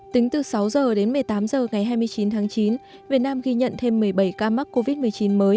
tính từ sáu h đến một mươi tám h ngày hai mươi chín tháng chín việt nam ghi nhận thêm một mươi bảy ca mắc covid một mươi chín mới